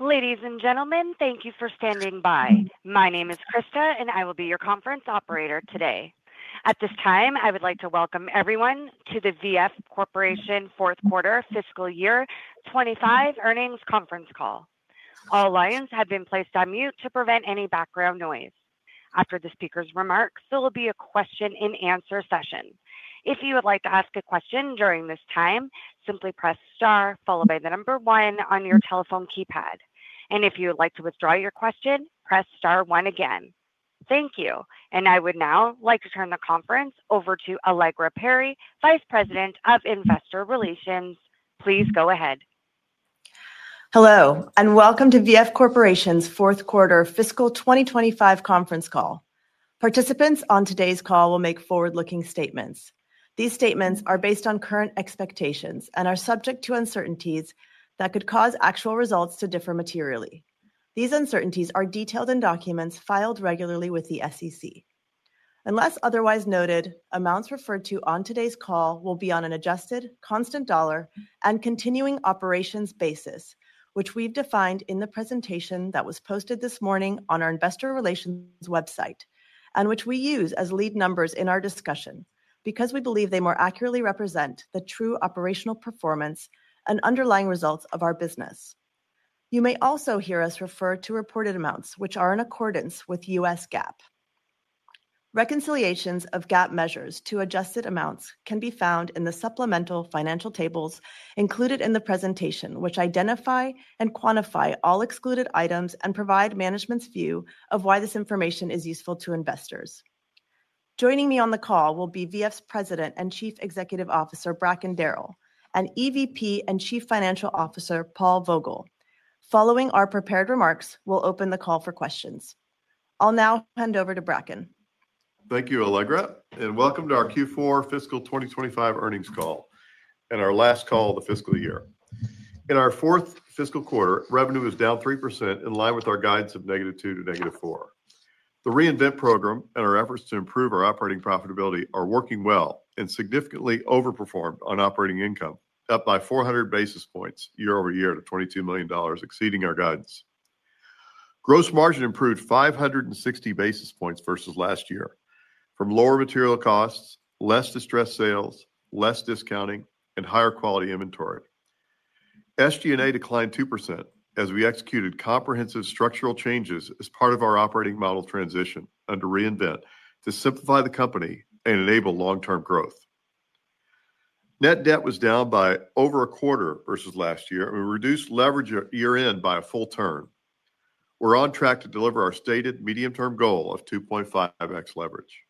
Ladies and gentlemen, thank you for standing by. My name is Krista, and I will be your conference operator today. At this time, I would like to welcome everyone to the VF Corporation Fourth Quarter Fiscal Year 2025 Earnings Conference Call. All lines have been placed on mute to prevent any background noise. After the speaker's remarks, there will be a question-and-answer session. If you would like to ask a question during this time, simply press star followed by the number one on your telephone keypad. If you would like to withdraw your question, press star one again. Thank you. I would now like to turn the conference over to Allegra Perry, Vice President of Investor Relations. Please go ahead. Hello, and welcome to VF Corporation's Fourth Quarter Fiscal 2025 Conference Call. Participants on today's call will make forward-looking statements. These statements are based on current expectations and are subject to uncertainties that could cause actual results to differ materially. These uncertainties are detailed in documents filed regularly with the SEC. Unless otherwise noted, amounts referred to on today's call will be on an adjusted, constant dollar and continuing operations basis, which we've defined in the presentation that was posted this morning on our Investor Relations website and which we use as lead numbers in our discussion because we believe they more accurately represent the true operational performance and underlying results of our business. You may also hear us refer to reported amounts, which are in accordance with U.S. GAAP. Reconciliations of GAAP measures to adjusted amounts can be found in the supplemental financial tables included in the presentation, which identify and quantify all excluded items and provide management's view of why this information is useful to investors. Joining me on the call will be VF's President and Chief Executive Officer, Bracken Darrell, and EVP and Chief Financial Officer, Paul Vogel. Following our prepared remarks, we'll open the call for questions. I'll now hand over to Bracken. Thank you, Allegra, and welcome to our Q4 Fiscal 2025 Earnings Call and our last call of the fiscal year. In our fourth fiscal quarter, revenue is down 3% in line with our guidance of negative 2% to negative 4%. The Reinvent program and our efforts to improve our operating profitability are working well and significantly overperformed on operating income, up by 400 basis points year over year to $22 million, exceeding our guidance. Gross margin improved 560 basis points versus last year from lower material costs, less distressed sales, less discounting, and higher quality inventory. SG&A declined 2% as we executed comprehensive structural changes as part of our operating model transition under Reinvent to simplify the company and enable long-term growth. Net debt was down by over a quarter versus last year, and we reduced leverage year in by a full turn. We're on track to deliver our stated medium-term goal of 2.5x leverage.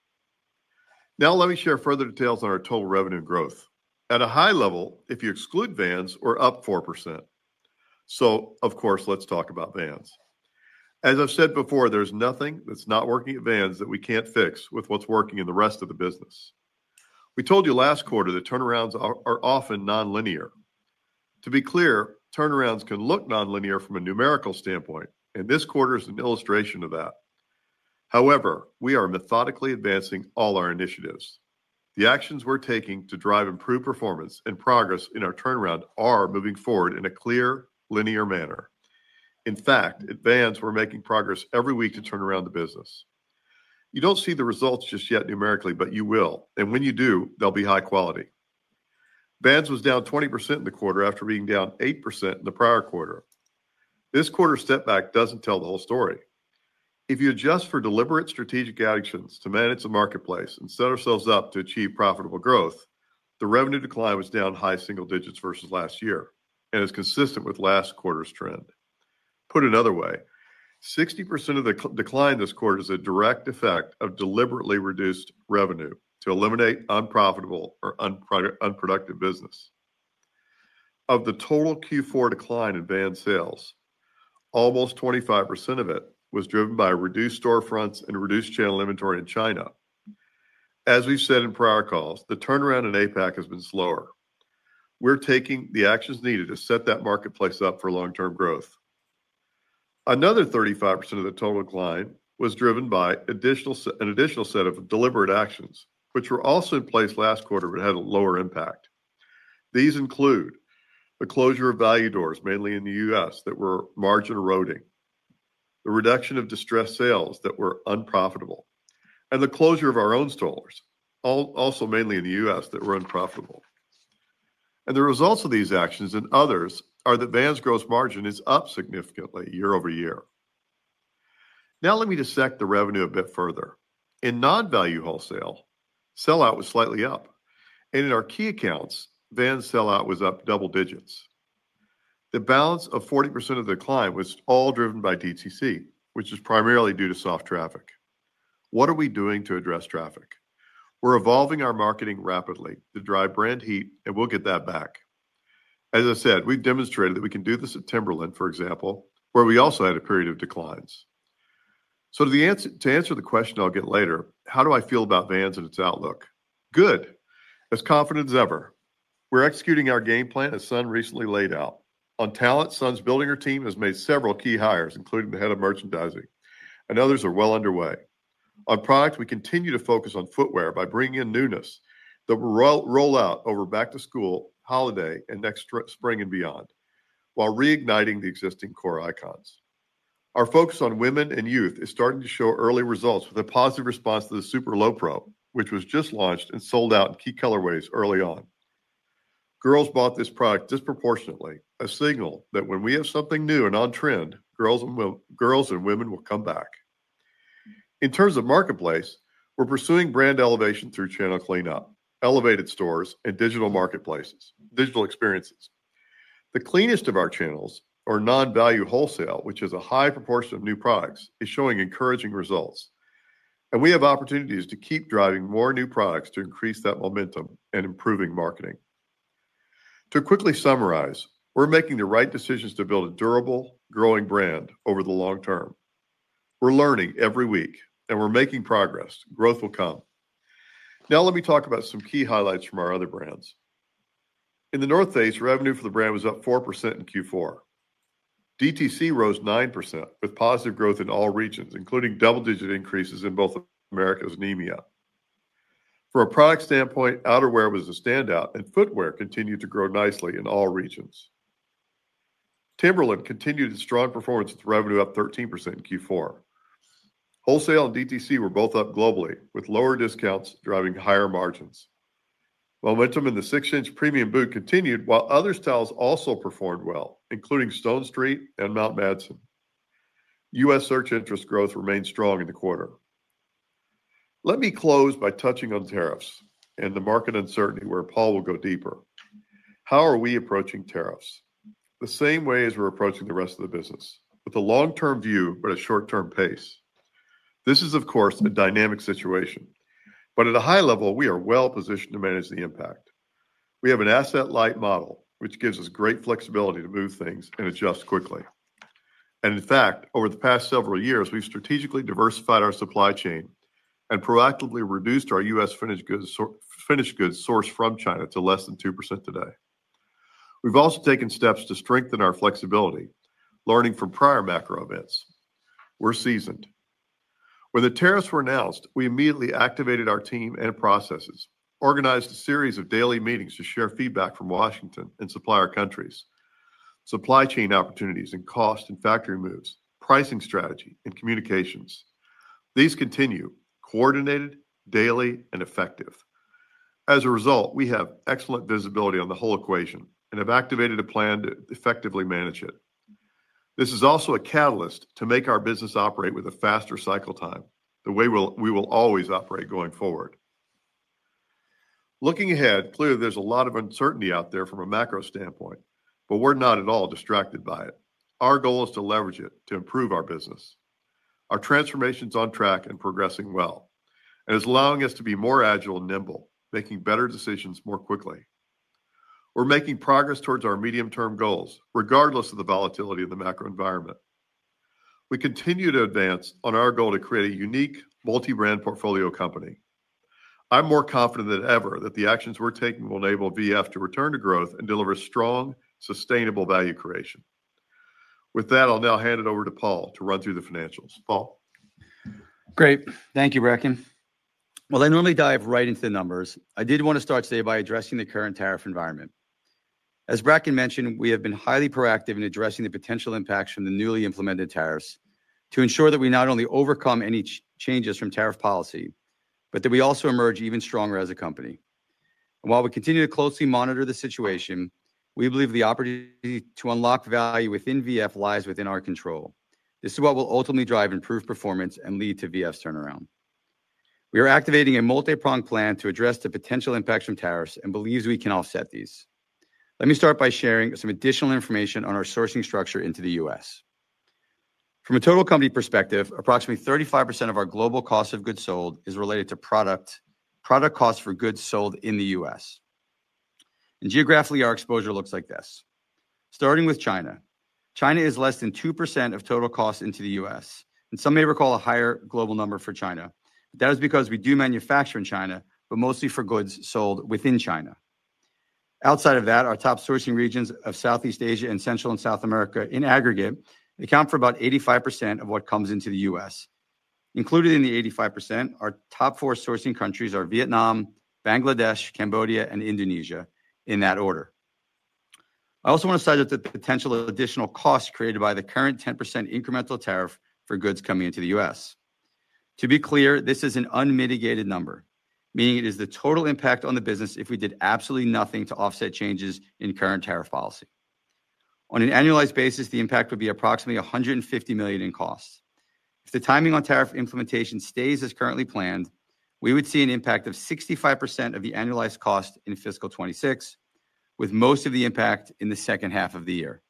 Now, let me share further details on our total revenue growth. At a high level, if you exclude Vans, we're up 4%. Of course, let's talk about Vans. As I've said before, there's nothing that's not working at Vans that we can't fix with what's working in the rest of the business. We told you last quarter that turnarounds are often non-linear. To be clear, turnarounds can look non-linear from a numerical standpoint, and this quarter is an illustration of that. However, we are methodically advancing all our initiatives. The actions we're taking to drive improved performance and progress in our turnaround are moving forward in a clear, linear manner. In fact, at Vans, we're making progress every week to turn around the business. You don't see the results just yet numerically, but you will. When you do, they'll be high quality. Vans was down 20% in the quarter after being down 8% in the prior quarter. This quarter's setback does not tell the whole story. If you adjust for deliberate strategic actions to manage the marketplace and set ourselves up to achieve profitable growth, the revenue decline was down high single digits versus last year and is consistent with last quarter's trend. Put another way, 60% of the decline this quarter is a direct effect of deliberately reduced revenue to eliminate unprofitable or unproductive business. Of the total Q4 decline in Vans sales, almost 25% of it was driven by reduced storefronts and reduced channel inventory in China. As we have said in prior calls, the turnaround in APAC has been slower. We are taking the actions needed to set that marketplace up for long-term growth. Another 35% of the total decline was driven by an additional set of deliberate actions, which were also in place last quarter but had a lower impact. These include the closure of value doors, mainly in the U.S., that were margin eroding, the reduction of distressed sales that were unprofitable, and the closure of our own stores also mainly in the U.S. that were unprofitable. The results of these actions and others are that Vans' gross margin is up significantly year over year. Now, let me dissect the revenue a bit further. In non-value wholesale, sellout was slightly up. In our key accounts, Vans' sellout was up double digits. The balance of 40% of the decline was all driven by DTC, which is primarily due to soft traffic. What are we doing to address traffic? We're evolving our marketing rapidly to drive brand heat, and we'll get that back. As I said, we've demonstrated that we can do this at Timberland, for example, where we also had a period of declines. To answer the question I'll get later, how do I feel about Vans and its outlook? Good. As confident as ever. We're executing our game plan as Sun recently laid out. On talent, Sun's building her team and has made several key hires, including the head of merchandising. Others are well underway. On product, we continue to focus on footwear by bringing in newness that will roll out over back-to-school, holiday, and next spring and beyond while reigniting the existing core icons. Our focus on women and youth is starting to show early results with a positive response to the Super Low Pro, which was just launched and sold out in key colorways early on. Girls bought this product disproportionately, a signal that when we have something new and on trend, girls and women will come back. In terms of marketplace, we are pursuing brand elevation through channel cleanup, elevated stores, and digital marketplace, digital experiences. The cleanest of our channels, or non-value wholesale, which has a high proportion of new products, is showing encouraging results. We have opportunities to keep driving more new products to increase that momentum and improving marketing. To quickly summarize, we are making the right decisions to build a durable, growing brand over the long term. We are learning every week, and we are making progress. Growth will come. Now, let me talk about some key highlights from our other brands. In The North Face, revenue for the brand was up 4% in Q4. DTC rose 9% with positive growth in all regions, including double-digit increases in both Americas and EMEA. From a product standpoint, outerwear was a standout, and footwear continued to grow nicely in all regions. Timberland continued its strong performance with revenue up 13% in Q4. Wholesale and DTC were both up globally, with lower discounts driving higher margins. Momentum in the 6-inch premium boot continued while other styles also performed well, including Stone Street and Mount Madison. U.S. search interest growth remained strong in the quarter. Let me close by touching on tariffs and the market uncertainty where Paul will go deeper. How are we approaching tariffs? The same way as we're approaching the rest of the business, with a long-term view but a short-term pace. This is, of course, a dynamic situation. At a high level, we are well positioned to manage the impact. We have an asset-light model, which gives us great flexibility to move things and adjust quickly. In fact, over the past several years, we've strategically diversified our supply chain and proactively reduced our U.S. finished goods source from China to less than 2% today. We've also taken steps to strengthen our flexibility, learning from prior macro events. We're seasoned. When the tariffs were announced, we immediately activated our team and processes, organized a series of daily meetings to share feedback from Washington and supplier countries, supply chain opportunities and cost and factory moves, pricing strategy, and communications. These continue coordinated, daily, and effective. As a result, we have excellent visibility on the whole equation and have activated a plan to effectively manage it. This is also a catalyst to make our business operate with a faster cycle time, the way we will always operate going forward. Looking ahead, clearly there is a lot of uncertainty out there from a macro standpoint, but we are not at all distracted by it. Our goal is to leverage it to improve our business. Our transformation is on track and progressing well. It is allowing us to be more agile and nimble, making better decisions more quickly. We are making progress towards our medium-term goals, regardless of the volatility of the macro environment. We continue to advance on our goal to create a unique multi-brand portfolio company. I am more confident than ever that the actions we are taking will enable VF to return to growth and deliver strong, sustainable value creation. With that, I'll now hand it over to Paul to run through the financials. Paul. Great. Thank you, Bracken. I normally dive right into the numbers. I did want to start today by addressing the current tariff environment. As Bracken mentioned, we have been highly proactive in addressing the potential impacts from the newly implemented tariffs to ensure that we not only overcome any changes from tariff policy, but that we also emerge even stronger as a company. While we continue to closely monitor the situation, we believe the opportunity to unlock value within VF lies within our control. This is what will ultimately drive improved performance and lead to VF's turnaround. We are activating a multi-pronged plan to address the potential impacts from tariffs and believe we can offset these. Let me start by sharing some additional information on our sourcing structure into the U.S. From a total company perspective, approximately 35% of our global cost of goods sold is related to product costs for goods sold in the U.S. Geographically, our exposure looks like this. Starting with China, China is less than 2% of total costs into the U.S. Some may recall a higher global number for China. That is because we do manufacture in China, but mostly for goods sold within China. Outside of that, our top sourcing regions of Southeast Asia and Central and South America in aggregate account for about 85% of what comes into the U.S. Included in the 85%, our top four sourcing countries are Vietnam, Bangladesh, Cambodia, and Indonesia in that order. I also want to cite the potential additional costs created by the current 10% incremental tariff for goods coming into the U.S. To be clear, this is an unmitigated number, meaning it is the total impact on the business if we did absolutely nothing to offset changes in current tariff policy. On an annualized basis, the impact would be approximately $150 million in cost. If the timing on tariff implementation stays as currently planned, we would see an impact of 65% of the annualized cost in fiscal 2026, with most of the impact in the second half of the year.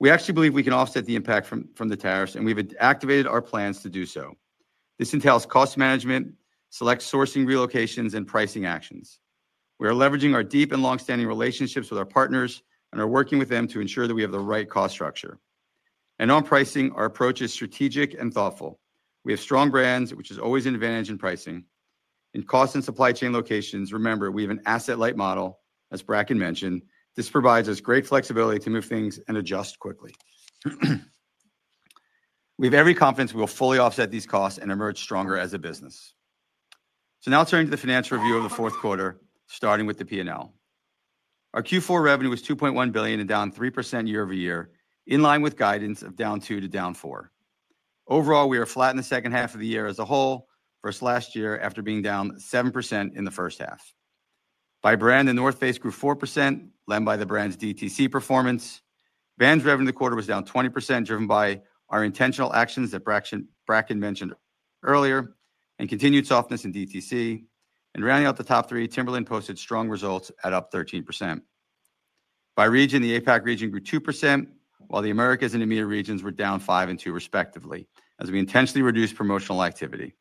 We actually believe we can offset the impact from the tariffs, and we've activated our plans to do so. This entails cost management, select sourcing relocations, and pricing actions. We are leveraging our deep and long-standing relationships with our partners and are working with them to ensure that we have the right cost structure. On pricing, our approach is strategic and thoughtful. We have strong brands, which is always an advantage in pricing. In cost and supply chain locations, remember, we have an asset-light model, as Bracken mentioned. This provides us great flexibility to move things and adjust quickly. We have every confidence we will fully offset these costs and emerge stronger as a business. Now turning to the financial review of the fourth quarter, starting with the P&L. Our Q4 revenue was $2.1 billion and down 3% year over year, in line with guidance of down 2%-4%. Overall, we are flat in the second half of the year as a whole versus last year after being down 7% in the first half. By brand, The North Face grew 4%, led by the brand's DTC performance. Vans' revenue in the quarter was down 20%, driven by our intentional actions that Bracken mentioned earlier and continued softness in DTC. Rounding out the top three, Timberland posted strong results at up 13%. By region, the APAC region grew 2%, while the Americas and EMEA regions were down 5% and 2% respectively, as we intentionally reduced promotional activity.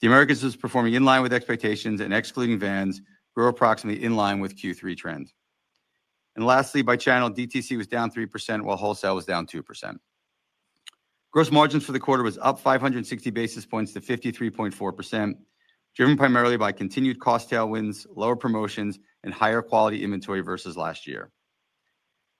The Americas was performing in line with expectations, and excluding Vans, grew approximately in line with Q3 trend. Lastly, by channel, DTC was down 3%, while wholesale was down 2%. Gross margins for the quarter were up 560 basis points to 53.4%, driven primarily by continued cost tailwinds, lower promotions, and higher quality inventory versus last year.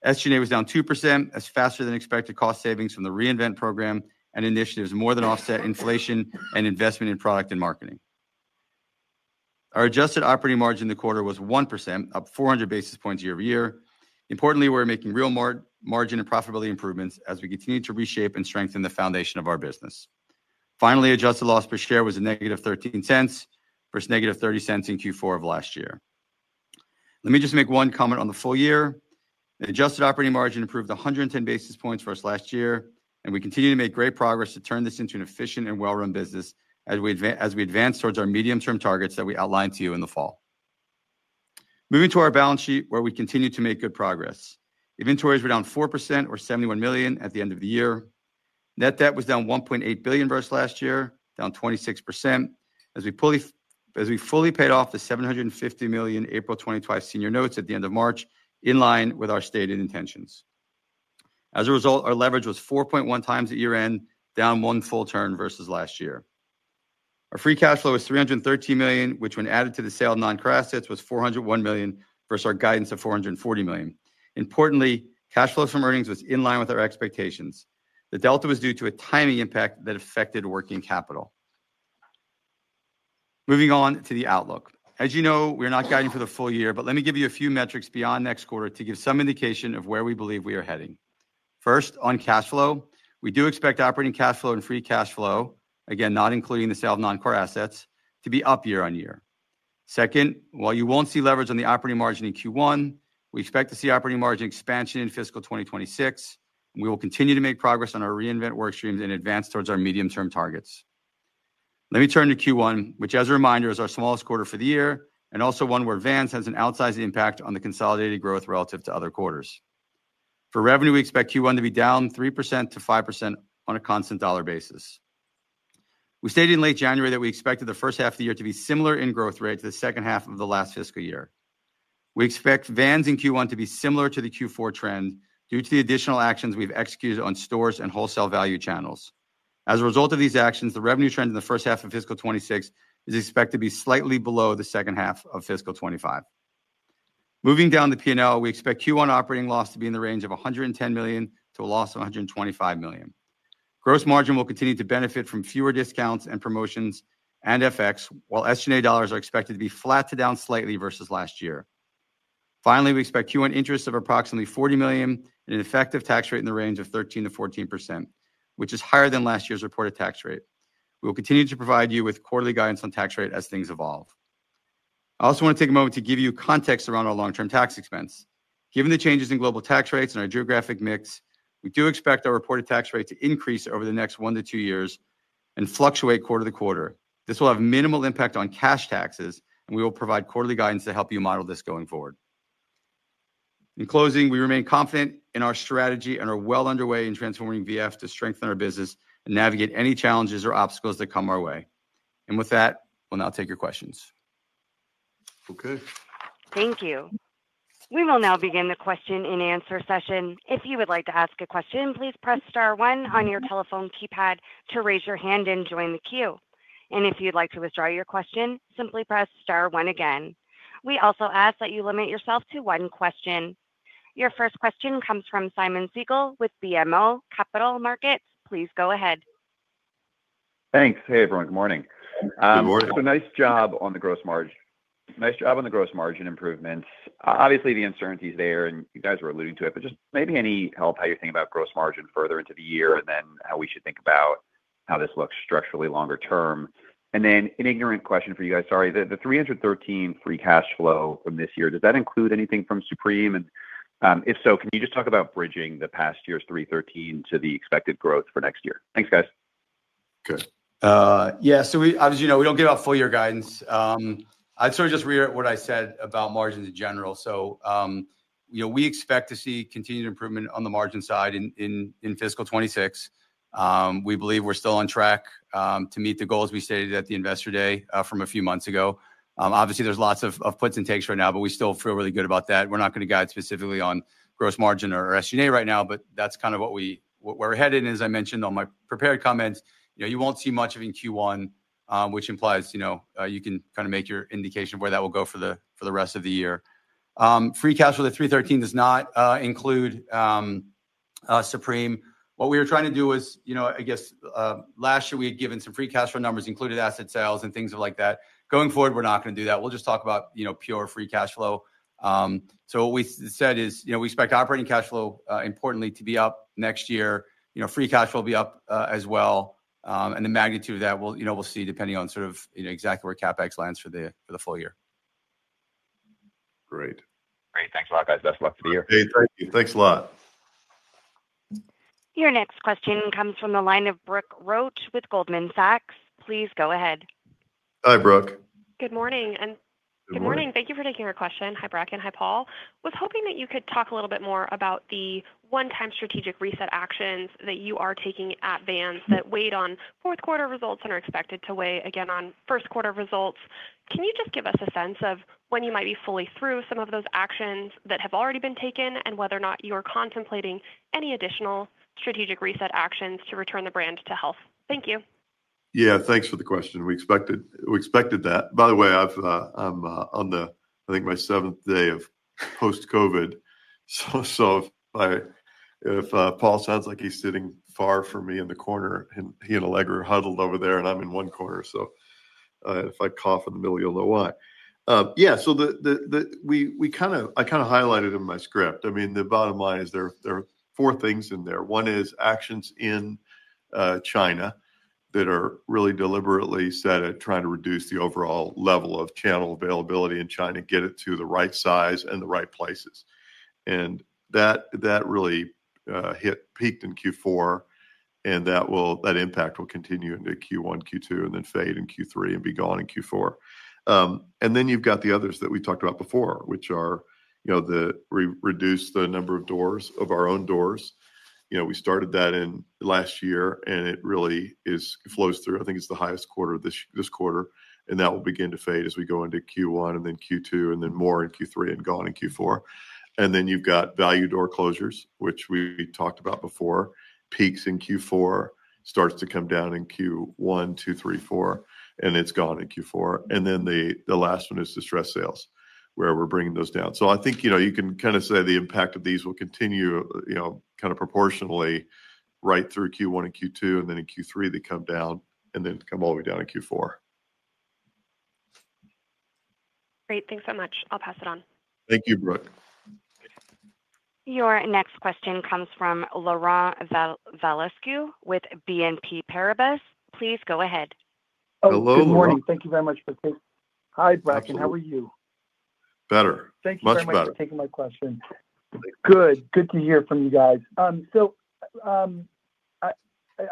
SG&A was down 2%, as faster than expected cost savings from the Reinvent program and initiatives more than offset inflation and investment in product and marketing. Our adjusted operating margin in the quarter was 1%, up 400 basis points year over year. Importantly, we're making real margin and profitability improvements as we continue to reshape and strengthen the foundation of our business. Finally, adjusted loss per share was a negative $0.13 versus negative $0.30 in Q4 of last year. Let me just make one comment on the full year. The adjusted operating margin improved 110 basis points versus last year. We continue to make great progress to turn this into an efficient and well-run business as we advance towards our medium-term targets that we outlined to you in the fall. Moving to our balance sheet, where we continue to make good progress. Inventories were down 4%, or $71 million, at the end of the year. Net debt was down $1.8 billion versus last year, down 26%, as we fully paid off the $750 million April 2025 senior notes at the end of March, in line with our stated intentions. As a result, our leverage was 4.1x at year-end, down one full turn versus last year. Our free cash flow was $313 million, which when added to the sale of non-core assets was $401 million versus our guidance of $440 million. Importantly, cash flows from earnings was in line with our expectations. The delta was due to a timing impact that affected working capital. Moving on to the outlook. As you know, we are not guiding for the full year, but let me give you a few metrics beyond next quarter to give some indication of where we believe we are heading. First, on cash flow, we do expect operating cash flow and free cash flow, again, not including the sale of non-core assets, to be up year on year. Second, while you won't see leverage on the operating margin in Q1, we expect to see operating margin expansion in fiscal 2026. We will continue to make progress on our reinvent workstreams and advance towards our medium-term targets. Let me turn to Q1, which, as a reminder, is our smallest quarter for the year and also one where Vans has an outsized impact on the consolidated growth relative to other quarters. For revenue, we expect Q1 to be down 3%-5% on a constant dollar basis. We stated in late January that we expected the first half of the year to be similar in growth rate to the second half of the last fiscal year. We expect Vans in Q1 to be similar to the Q4 trend due to the additional actions we've executed on stores and wholesale value channels. As a result of these actions, the revenue trend in the first half of fiscal 2026 is expected to be slightly below the second half of fiscal 2025. Moving down the P&L, we expect Q1 operating loss to be in the range of $110 million to a loss of $125 million. Gross margin will continue to benefit from fewer discounts and promotions and FX, while SG&A dollars are expected to be flat to down slightly versus last year. Finally, we expect Q1 interest of approximately $40 million and an effective tax rate in the range of 13%-14%, which is higher than last year's reported tax rate. We will continue to provide you with quarterly guidance on tax rate as things evolve. I also want to take a moment to give you context around our long-term tax expense. Given the changes in global tax rates and our geographic mix, we do expect our reported tax rate to increase over the next one to two years and fluctuate quarter to quarter. This will have minimal impact on cash taxes, and we will provide quarterly guidance to help you model this going forward. In closing, we remain confident in our strategy and are well underway in transforming VF to strengthen our business and navigate any challenges or obstacles that come our way. With that, we'll now take your questions. Okay. Thank you. We will now begin the question and answer session. If you would like to ask a question, please press star 1 on your telephone keypad to raise your hand and join the queue. If you'd like to withdraw your question, simply press star 1 again. We also ask that you limit yourself to one question. Your first question comes from Simon Siegel with BMO Capital Markets. Please go ahead. Thanks. Hey, everyone. Good morning. Good morning. It's a nice job on the gross margin. Nice job on the gross margin improvements. Obviously, the uncertainty is there, and you guys were alluding to it, but just maybe any help how you're thinking about gross margin further into the year and then how we should think about how this looks structurally longer term. And then an ignorant question for you guys, sorry. The $313 million free cash flow from this year, does that include anything from Supreme? And if so, can you just talk about bridging the past year's $313 million to the expected growth for next year? Thanks, guys. Good. Yeah. As you know, we do not give out full-year guidance. I would sort of just reiterate what I said about margins in general. We expect to see continued improvement on the margin side in fiscal 2026. We believe we are still on track to meet the goals we stated at the investor day from a few months ago. Obviously, there are lots of puts and takes right now, but we still feel really good about that. We are not going to guide specifically on gross margin or SG&A right now, but that is kind of where we are headed. As I mentioned on my prepared comments, you will not see much of in Q1, which implies you can kind of make your indication of where that will go for the rest of the year. Free cash flow to $313 million does not include Supreme. What we were trying to do was, I guess, last year we had given some free cash flow numbers, included asset sales and things like that. Going forward, we're not going to do that. We'll just talk about pure free cash flow. What we said is we expect operating cash flow, importantly, to be up next year. Free cash flow will be up as well. The magnitude of that we'll see depending on sort of exactly where CapEx lands for the full year. Great. Great. Thanks a lot, guys. Best of luck to the year. Hey, thank you. Thanks a lot. Your next question comes from the line of Brooke Roach with Goldman Sachs. Please go ahead. Hi, Brooke. Good morning. Thank you for taking our question. Hi, Bracken. Hi, Paul. I was hoping that you could talk a little bit more about the one-time strategic reset actions that you are taking at Vans that weighed on fourth-quarter results and are expected to weigh again on first-quarter results. Can you just give us a sense of when you might be fully through some of those actions that have already been taken and whether or not you are contemplating any additional strategic reset actions to return the brand to health? Thank you. Yeah, thanks for the question. We expected that. By the way, I'm on, I think, my seventh day of post-COVID. If Paul sounds like he's sitting far from me in the corner, he and Allegra are huddled over there, and I'm in one corner. If I cough in the middle, you'll know why. I kind of highlighted in my script. I mean, the bottom line is there are four things in there. One is actions in China that are really deliberately set at trying to reduce the overall level of channel availability in China, get it to the right size and the right places. That really peaked in Q4, and that impact will continue into Q1, Q2, and then fade in Q3 and be gone in Q4. You have the others that we talked about before, which are the reduce the number of doors, of our own doors. We started that last year, and it really flows through. I think it is the highest quarter this quarter, and that will begin to fade as we go into Q1 and then Q2 and then more in Q3 and gone in Q4. You have value door closures, which we talked about before, peaks in Q4, starts to come down in Q1, Q2, Q3, Q4, and it is gone in Q4. The last one is distressed sales, where we are bringing those down. I think you can kind of say the impact of these will continue kind of proportionally right through Q1 and Q2, and then in Q3 they come down and then come all the way down in Q4. Great. Thanks so much. I'll pass it on. Thank you, Brooke. Your next question comes from Laurent Velasque with BNP Paribas. Please go ahead. Hello, Laurent. Good morning. Thank you very much, Patrik. Hi, Bracken. How are you? Thank you. Better. Thank you so much for taking my question. Good. Good to hear from you guys. I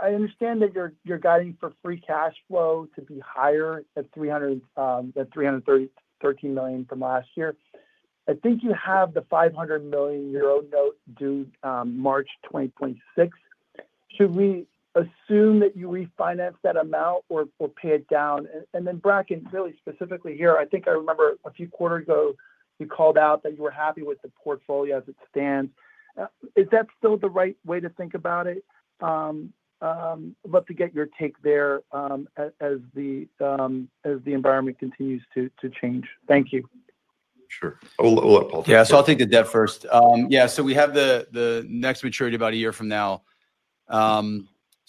understand that you're guiding for free cash flow to be higher at $313 million from last year. I think you have the 500 million euro note due March 2026. Should we assume that you refinance that amount or pay it down? Bracken, really specifically here, I think I remember a few quarters ago, you called out that you were happy with the portfolio as it stands. Is that still the right way to think about it? I'd love to get your take there as the environment continues to change. Thank you. Sure. We'll let Paul take it. Yeah. I'll take the debt first. Yeah.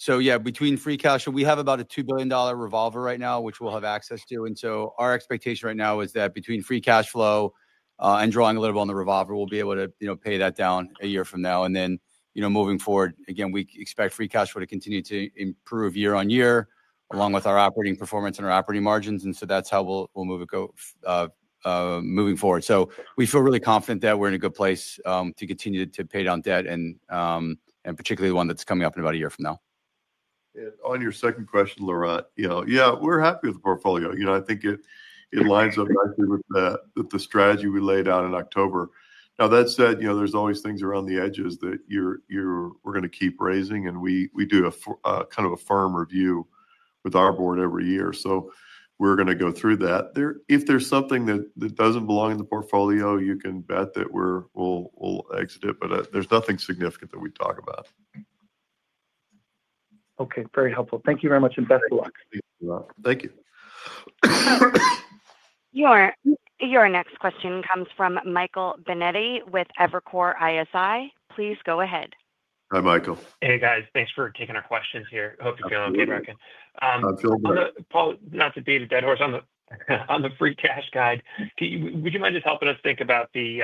We have the next maturity about a year from now. Between free cash, we have about a $2 billion revolver right now, which we'll have access to. Our expectation right now is that between free cash flow and drawing a little bit on the revolver, we'll be able to pay that down a year from now. Moving forward, again, we expect free cash flow to continue to improve year on year along with our operating performance and our operating margins. That's how we'll move forward. We feel really confident that we're in a good place to continue to pay down debt, and particularly the one that's coming up in about a year from now. On your second question, Laurent, yeah, we're happy with the portfolio. I think it lines up nicely with the strategy we laid out in October. Now, that said, there's always things around the edges that we're going to keep raising, and we do kind of a firm review with our board every year. We're going to go through that. If there's something that does not belong in the portfolio, you can bet that we'll exit it, but there's nothing significant that we talk about. Okay. Very helpful. Thank you very much and best of luck. Thank you. Your next question comes from Michael Benetti with Evercore ISI. Please go ahead. Hi, Michael. Hey, guys. Thanks for taking our questions here. Hope you're feeling okay, Bracken. I'm feeling good. Paul, not to beat a dead horse on the free cash guide. Would you mind just helping us think about the,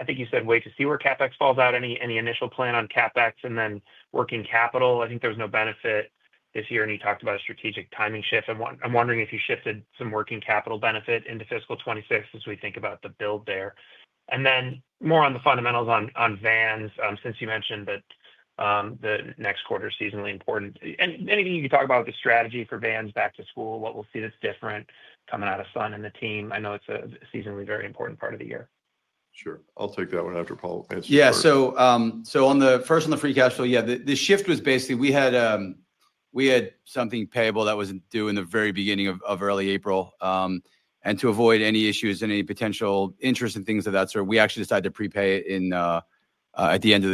I think you said wait to see where CapEx falls out, any initial plan on CapEx and then working capital. I think there was no benefit this year, and you talked about a strategic timing shift. I'm wondering if you shifted some working capital benefit into fiscal 2026 as we think about the build there. More on the fundamentals on Vans, since you mentioned that the next quarter is seasonally important. Anything you could talk about with the strategy for Vans back to school, what we'll see that's different coming out of Sun and the team. I know it's a seasonally very important part of the year. Sure. I'll take that one after Paul answers that. Yeah. So first on the free cash flow, yeah, the shift was basically we had something payable that was not due in the very beginning of early April. To avoid any issues and any potential interest and things of that sort, we actually decided to prepay it at the end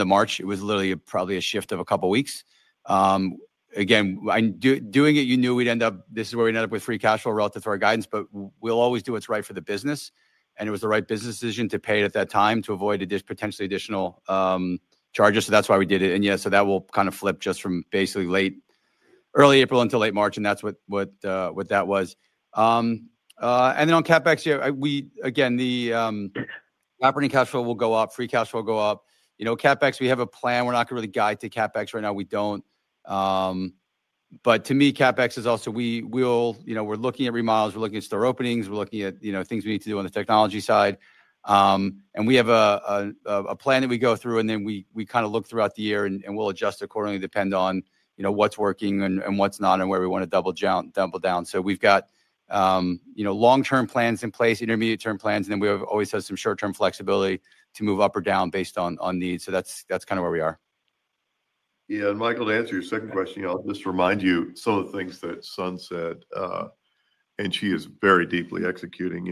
of March. It was literally probably a shift of a couple of weeks. Again, doing it, you knew we would end up, this is where we ended up with free cash flow relative to our guidance, but we will always do what is right for the business. It was the right business decision to pay it at that time to avoid potentially additional charges. That is why we did it. Yeah, that will kind of flip just from basically early April until late March, and that is what that was. On CapEx, again, the operating cash flow will go up, free cash flow will go up. CapEx, we have a plan. We are not going to really guide to CapEx right now. We do not. To me, CapEx is also we are looking at remodels, we are looking at store openings, we are looking at things we need to do on the technology side. We have a plan that we go through, and then we kind of look throughout the year and we will adjust accordingly, depending on what is working and what is not and where we want to double down. We have long-term plans in place, intermediate-term plans, and then we always have some short-term flexibility to move up or down based on need. That is kind of where we are. Yeah. Michael, to answer your second question, I'll just remind you some of the things that Sun said, and she is very deeply executing.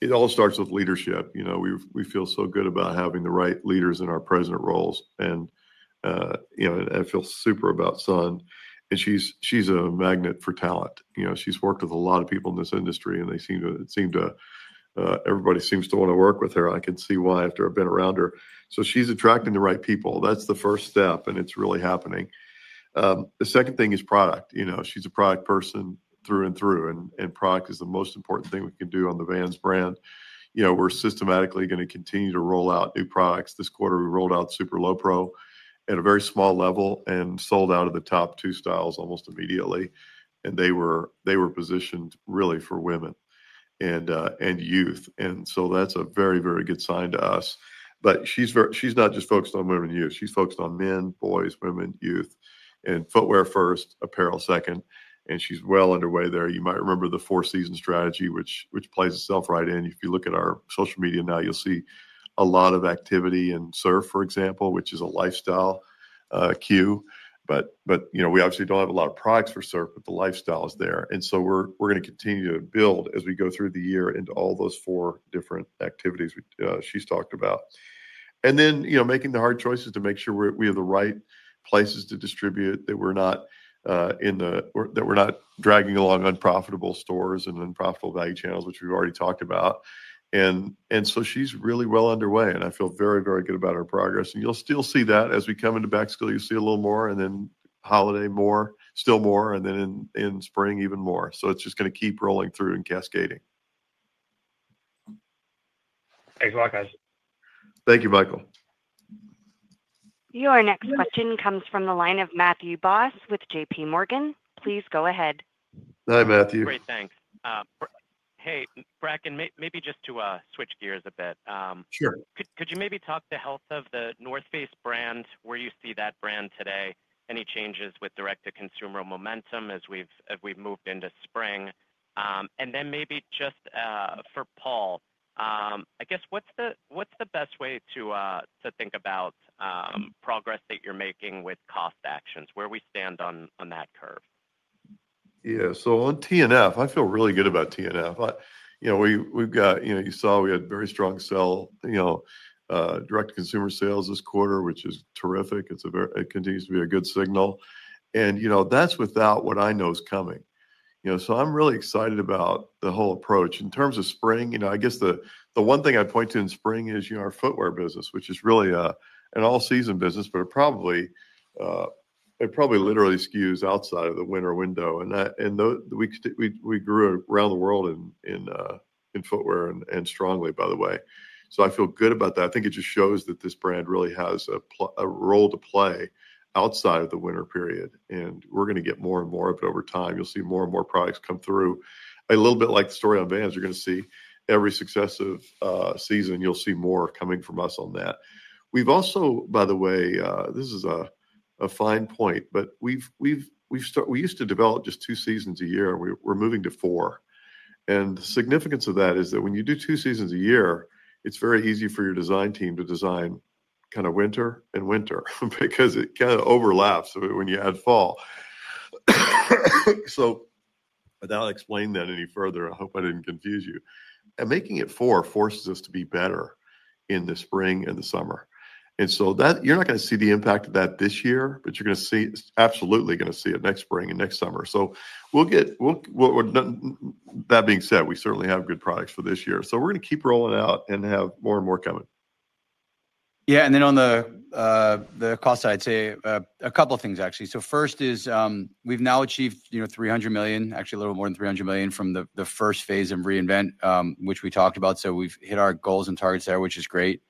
It all starts with leadership. We feel so good about having the right leaders in our present roles. I feel super about Sun. She's a magnet for talent. She's worked with a lot of people in this industry, and everybody seems to want to work with her. I can see why after I've been around her. She's attracting the right people. That's the first step, and it's really happening. The second thing is product. She's a product person through and through, and product is the most important thing we can do on the Vans brand. We're systematically going to continue to roll out new products. This quarter, we rolled out Super Low Pro at a very small level and sold out of the top two styles almost immediately. They were positioned really for women and youth. That is a very, very good sign to us. She is not just focused on women and youth. She is focused on men, boys, women, youth, and footwear first, apparel second. She is well underway there. You might remember the four-season strategy, which plays itself right in. If you look at our social media now, you will see a lot of activity in surf, for example, which is a lifestyle cue. We obviously do not have a lot of products for surf, but the lifestyle is there. We are going to continue to build as we go through the year into all those four different activities she has talked about. Then making the hard choices to make sure we have the right places to distribute, that we're not dragging along unprofitable stores and unprofitable value channels, which we've already talked about. She's really well underway, and I feel very, very good about her progress. You'll still see that as we come into back-to-school, you'll see a little more, and then holiday more, still more, and then in spring, even more. It is just going to keep rolling through and cascading. Thanks a lot, guys. Thank you, Michael. Your next question comes from the line of Matthew Boss with JP Morgan. Please go ahead. Hi, Matthew. Great. Thanks. Hey, Bracken, maybe just to switch gears a bit. Sure. Could you maybe talk the health of The North Face brand, where you see that brand today, any changes with direct-to-consumer momentum as we've moved into spring? Then maybe just for Paul, I guess, what's the best way to think about progress that you're making with cost actions? Where we stand on that curve? Yeah. On T&F, I feel really good about T&F. You saw we had very strong direct-to-consumer sales this quarter, which is terrific. It continues to be a good signal. That is without what I know is coming. I am really excited about the whole approach. In terms of spring, I guess the one thing I point to in spring is our footwear business, which is really an all-season business, but it probably literally skews outside of the winter window. We grew around the world in footwear and strongly, by the way. I feel good about that. I think it just shows that this brand really has a role to play outside of the winter period. We are going to get more and more of it over time. You will see more and more products come through. A little bit like the story on Vans, you're going to see every successive season, you'll see more coming from us on that. We've also, by the way, this is a fine point, but we used to develop just two seasons a year, and we're moving to four. The significance of that is that when you do two seasons a year, it's very easy for your design team to design kind of winter and winter because it kind of overlaps when you add fall. Without explaining that any further, I hope I didn't confuse you. Making it four forces us to be better in the spring and the summer. You're not going to see the impact of that this year, but you're going to see it, absolutely going to see it next spring and next summer. That being said, we certainly have good products for this year. We're going to keep rolling out and have more and more coming. Yeah. On the cost side, I'd say a couple of things, actually. First is we've now achieved $300 million, actually a little more than $300 million from the first phase of Reinvent, which we talked about. We've hit our goals and targets there, which is great.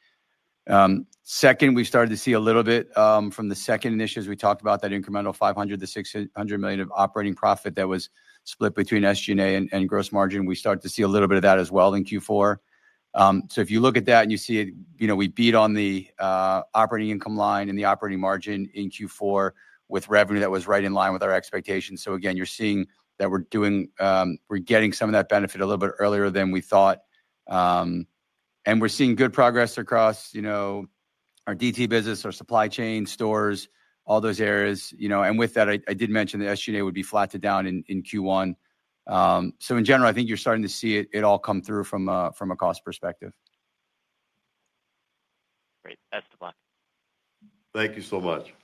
Second, we've started to see a little bit from the second initiatives we talked about, that incremental $500 million-$600 million of operating profit that was split between SG&A and gross margin. We started to see a little bit of that as well in Q4. If you look at that and you see it, we beat on the operating income line and the operating margin in Q4 with revenue that was right in line with our expectations. Again, you're seeing that we're getting some of that benefit a little bit earlier than we thought. We're seeing good progress across our DTC business, our supply chain, stores, all those areas. With that, I did mention that SG&A would be flat to down in Q1. In general, I think you're starting to see it all come through from a cost perspective. Great. Best of luck. Thank you so much.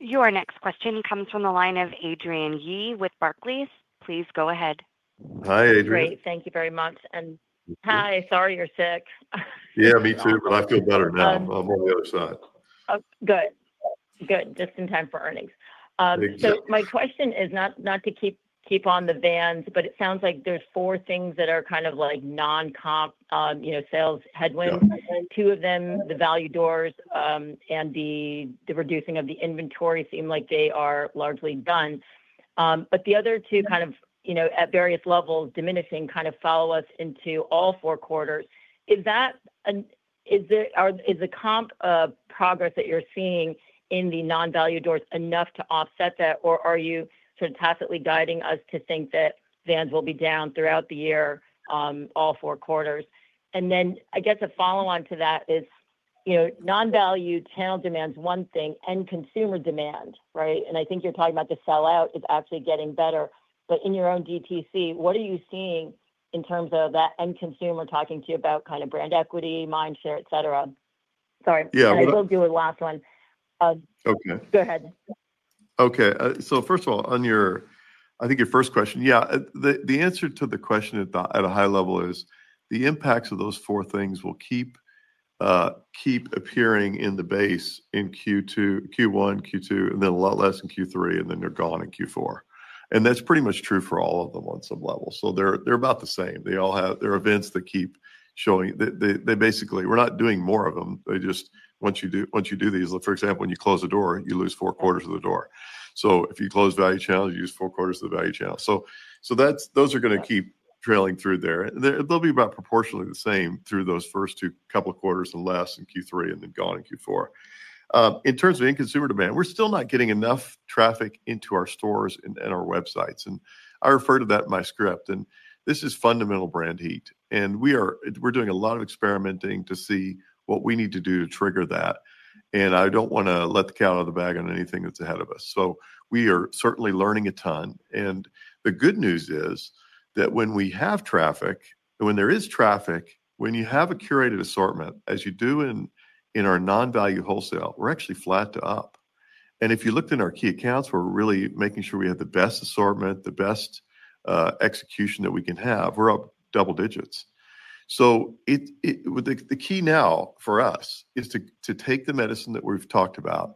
Your next question comes from the line of Adrienne Yih with Barclays. Please go ahead. Hi, Adrienne. Great. Thank you very much. Hi. Sorry, you're sick. Yeah, me too, but I feel better now. I'm on the other side. Oh, good. Good. Just in time for earnings. Thank you. My question is not to keep on the Vans, but it sounds like there are four things that are kind of like non-sales headwinds. Two of them, the value doors and the reducing of the inventory, seem like they are largely done. The other two, kind of at various levels, diminishing, kind of follow us into all four quarters. Is the comp progress that you are seeing in the non-value doors enough to offset that, or are you sort of tacitly guiding us to think that Vans will be down throughout the year, all four quarters? I guess a follow-on to that is non-value channel demand is one thing and consumer demand, right? I think you are talking about the sell-out is actually getting better. In your own DTC, what are you seeing in terms of that end consumer talking to you about kind of brand equity, mindshare, etc.? Sorry. Yeah. I will do a last one. Okay. Go ahead. Okay. First of all, on your, I think your first question, yeah, the answer to the question at a high level is the impacts of those four things will keep appearing in the base in Q1, Q2, and then a lot less in Q3, and then they're gone in Q4. That's pretty much true for all of them on some level. They're about the same. They're events that keep showing, they basically, we're not doing more of them. Once you do these, for example, when you close a door, you lose four quarters of the door. If you close value channels, you lose four quarters of the value channel. Those are going to keep trailing through there. They'll be about proportionally the same through those first couple of quarters and less in Q3 and then gone in Q4. In terms of in-consumer demand, we're still not getting enough traffic into our stores and our websites. I refer to that in my script. This is fundamental brand heat. We're doing a lot of experimenting to see what we need to do to trigger that. I do not want to let the cat out of the bag on anything that's ahead of us. We are certainly learning a ton. The good news is that when we have traffic, when there is traffic, when you have a curated assortment, as you do in our non-value wholesale, we're actually flat to up. If you looked in our key accounts, we're really making sure we have the best assortment, the best execution that we can have. We're up double digits. The key now for us is to take the medicine that we've talked about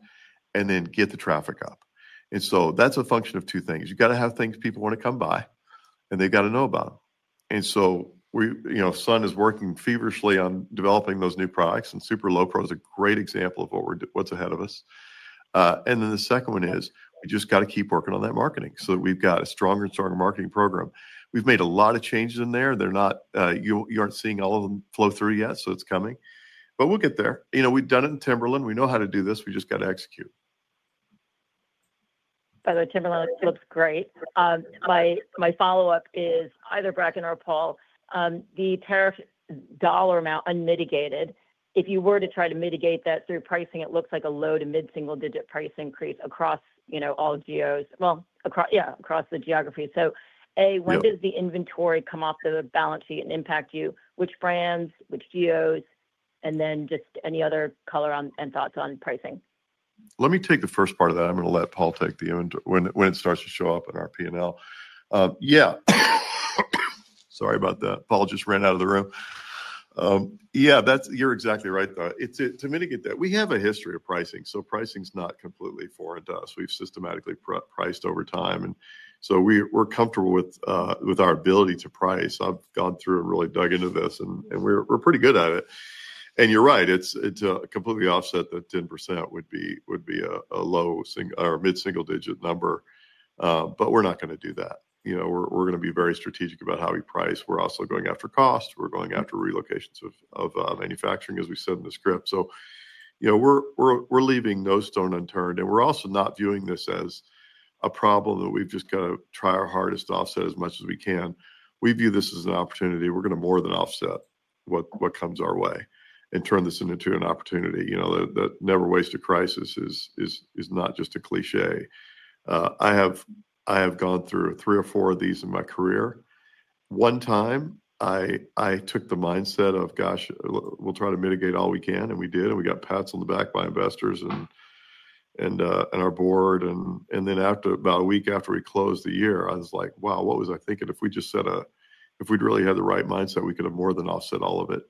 and then get the traffic up. That is a function of two things. You've got to have things people want to come buy, and they've got to know about them. Sun is working feverishly on developing those new products, and Super Low Pro is a great example of what's ahead of us. The second one is we just got to keep working on that marketing so that we've got a stronger and stronger marketing program. We've made a lot of changes in there. You aren't seeing all of them flow through yet, so it's coming. We'll get there. We've done it in Timberland. We know how to do this. We just got to execute. By the way, Timberland looks great. My follow-up is either Bracken or Paul. The tariff dollar amount unmitigated, if you were to try to mitigate that through pricing, it looks like a low to mid-single-digit price increase across all GOs, yeah, across the geography. A, when does the inventory come off the balance sheet and impact you? Which brands, which GOs, and then just any other color and thoughts on pricing? Let me take the first part of that. I'm going to let Paul take the end when it starts to show up in our P&L. Yeah. Sorry about that. Paul just ran out of the room. Yeah, you're exactly right, though. To mitigate that, we have a history of pricing. Pricing's not completely foreign to us. We've systematically priced over time, and we're comfortable with our ability to price. I've gone through and really dug into this, and we're pretty good at it. You're right. To completely offset that 10% would be a low- or mid-single-digit number. We're not going to do that. We're going to be very strategic about how we price. We're also going after cost. We're going after relocations of manufacturing, as we said in the script. We're leaving no stone unturned. We are also not viewing this as a problem that we have just got to try our hardest to offset as much as we can. We view this as an opportunity. We are going to more than offset what comes our way and turn this into an opportunity. That never wasted crisis is not just a cliché. I have gone through three or four of these in my career. One time, I took the mindset of, "Gosh, we will try to mitigate all we can." And we did. We got pats on the back by investors and our board. After about a week after we closed the year, I was like, "Wow, what was I thinking? If we had really had the right mindset, we could have more than offset all of it."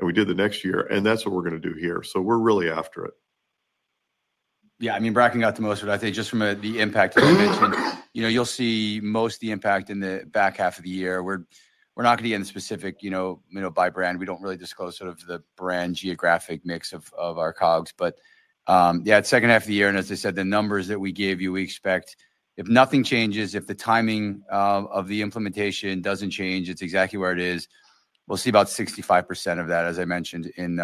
We did the next year. That is what we are going to do here. We're really after it. Yeah. I mean, Bracken got the most, but I think just from the impact you mentioned, you'll see most of the impact in the back half of the year. We're not going to get into specific by brand. We don't really disclose sort of the brand geographic mix of our COGS. Yeah, second half of the year. As I said, the numbers that we gave you, we expect if nothing changes, if the timing of the implementation doesn't change, it's exactly where it is. We'll see about 65% of that, as I mentioned, in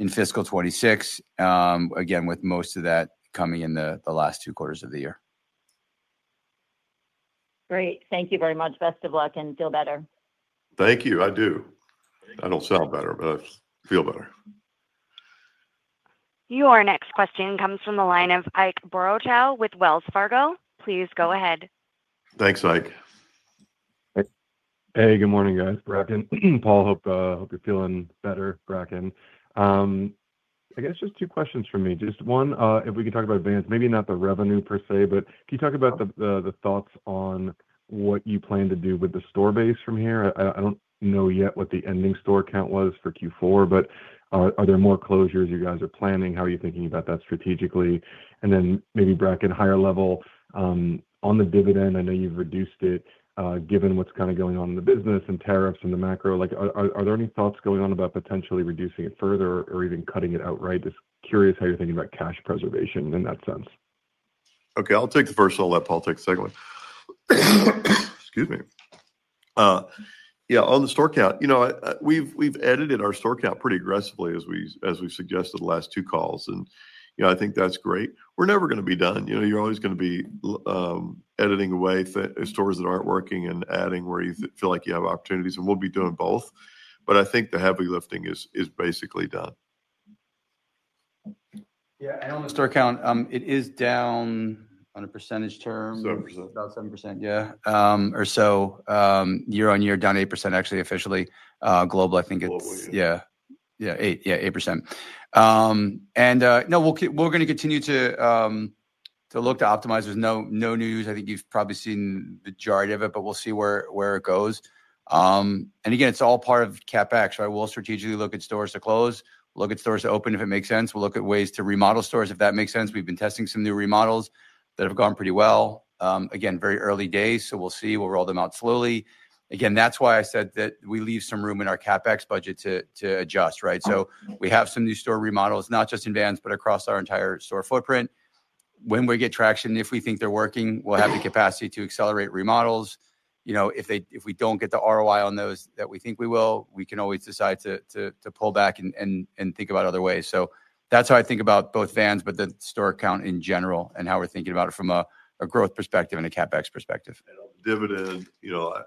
fiscal 2026, again, with most of that coming in the last two quarters of the year. Great. Thank you very much. Best of luck and feel better. Thank you. I do. I don't sound better, but I feel better. Your next question comes from the line of Ike Boruchow with Wells Fargo. Please go ahead. Thanks, Ike. Hey, good morning, guys. Bracken. Paul, hope you're feeling better, Bracken. I guess just two questions for me. Just one, if we can talk about Vans, maybe not the revenue per se, but can you talk about the thoughts on what you plan to do with the store base from here? I do not know yet what the ending store count was for Q4, but are there more closures you guys are planning? How are you thinking about that strategically? Maybe, Bracken, higher level, on the dividend, I know you have reduced it given what is kind of going on in the business and tariffs and the macro. Are there any thoughts going on about potentially reducing it further or even cutting it outright? Just curious how you are thinking about cash preservation in that sense. Okay. I'll take the first. I'll let Paul take the second one. Excuse me. Yeah, on the store count, we've edited our store count pretty aggressively, as we suggested the last two calls. I think that's great. You're never going to be done. You're always going to be editing away stores that aren't working and adding where you feel like you have opportunities. We'll be doing both. I think the heavy lifting is basically done. Yeah. And on the store count, it is down on a percentage term. 7%. About 7%, yeah. Or so. Year on year, down 8%, actually, officially. Global, I think it's. Global, yeah. Yeah. Yeah, 8%. No, we're going to continue to look to optimize. There's no news. I think you've probably seen the joy of it, but we'll see where it goes. Again, it's all part of CapEx, right? We'll strategically look at stores to close, look at stores to open if it makes sense. We'll look at ways to remodel stores if that makes sense. We've been testing some new remodels that have gone pretty well. Again, very early days, so we'll see. We'll roll them out slowly. That's why I said that we leave some room in our CapEx budget to adjust, right? We have some new store remodels, not just in Vans, but across our entire store footprint. When we get traction, if we think they're working, we'll have the capacity to accelerate remodels. If we do not get the ROI on those that we think we will, we can always decide to pull back and think about other ways. That is how I think about both Vans, but the store count in general and how we are thinking about it from a growth perspective and a CapEx perspective. Dividend,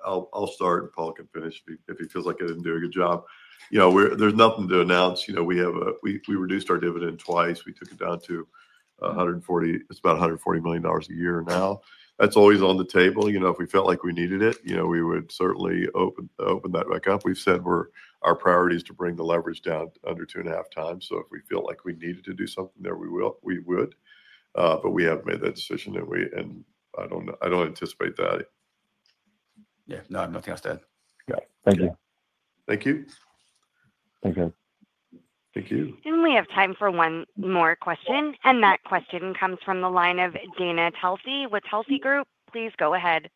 I'll start and Paul can finish if he feels like he didn't do a good job. There's nothing to announce. We reduced our dividend twice. We took it down to $1.40 million. It's about $140 million a year now. That's always on the table. If we felt like we needed it, we would certainly open that back up. We've said our priority is to bring the leverage down under 2.5x. If we feel like we needed to do something there, we would. We have made that decision, and I don't anticipate that. Yeah. No, nothing else to add. Yeah. Thank you. Thank you. Thank you. Thank you. We have time for one more question. That question comes from the line of Dana Telsey with Telsey Advisory Group. Please go ahead.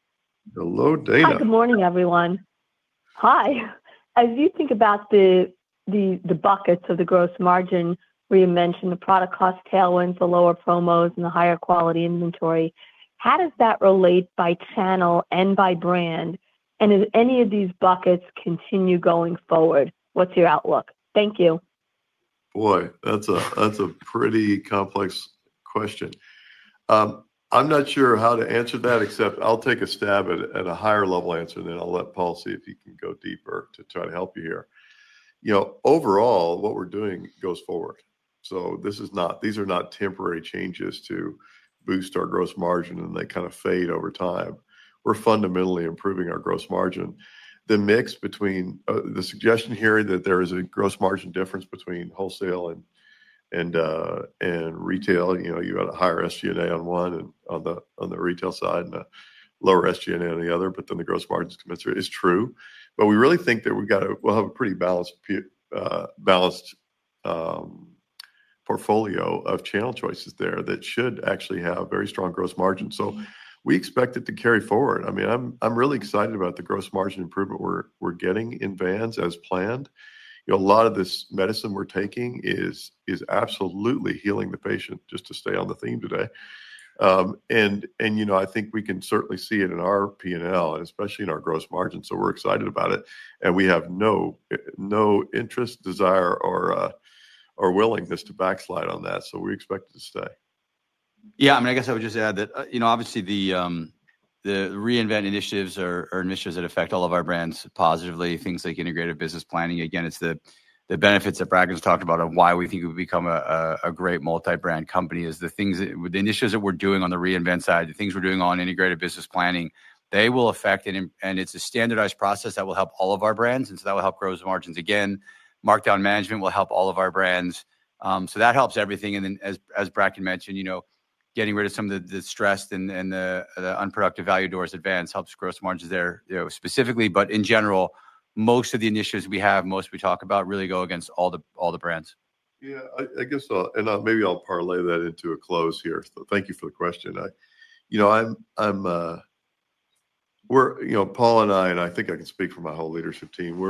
Hello, Dana. Hi, good morning, everyone. Hi. As you think about the buckets of the gross margin where you mentioned the product cost tailwinds, the lower promos, and the higher quality inventory, how does that relate by channel and by brand? Do any of these buckets continue going forward? What's your outlook? Thank you. Boy, that's a pretty complex question. I'm not sure how to answer that, except I'll take a stab at a higher-level answer, and then I'll let Paul see if he can go deeper to try to help you here. Overall, what we're doing goes forward. These are not temporary changes to boost our gross margin, and they kind of fade over time. We're fundamentally improving our gross margin. The suggestion here that there is a gross margin difference between wholesale and retail, you got a higher SG&A on one and on the retail side and a lower SG&A on the other, but then the gross margin is commensurate, is true. We really think that we'll have a pretty balanced portfolio of channel choices there that should actually have very strong gross margins. We expect it to carry forward. I mean, I'm really excited about the gross margin improvement we're getting in Vans as planned. A lot of this medicine we're taking is absolutely healing the patient, just to stay on the theme today. I think we can certainly see it in our P&L, and especially in our gross margin. We're excited about it. We have no interest, desire, or willingness to backslide on that. We expect it to stay. Yeah. I mean, I guess I would just add that, obviously, the Reinvent initiatives are initiatives that affect all of our brands positively, things like integrated business planning. Again, it is the benefits that Bracken's talked about of why we think we become a great multi-brand company is the initiatives that we're doing on the Reinvent side, the things we're doing on integrated business planning, they will affect. It is a standardized process that will help all of our brands. That will help gross margins. Again, markdown management will help all of our brands. That helps everything. As Bracken mentioned, getting rid of some of the stress and the unproductive value doors at Vans helps gross margins there specifically. In general, most of the initiatives we have, most we talk about really go against all the brands. Yeah. Maybe I'll parlay that into a close here. Thank you for the question. Paul and I, and I think I can speak for my whole leadership team,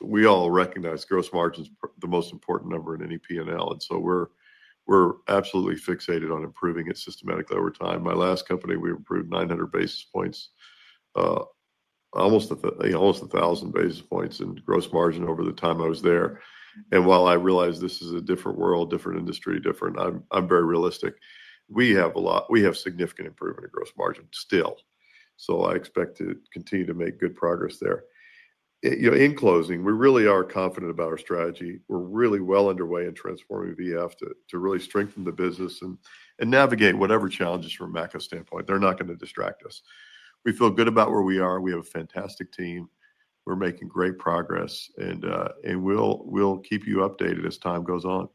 we all recognize gross margin is the most important number in any P&L. We're absolutely fixated on improving it systematically over time. My last company, we improved 900 basis points, almost 1,000 basis points in gross margin over the time I was there. While I realize this is a different world, different industry, different, I'm very realistic. We have significant improvement in gross margin still. I expect to continue to make good progress there. In closing, we really are confident about our strategy. We're really well underway in transforming VF to really strengthen the business and navigate whatever challenges from a macro standpoint. They're not going to distract us. We feel good about where we are. We have a fantastic team. We are making great progress. We will keep you updated as time goes on.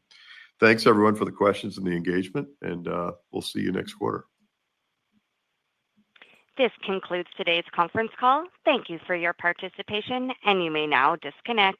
Thanks, everyone, for the questions and the engagement. We will see you next quarter. This concludes today's conference call. Thank you for your participation. You may now disconnect.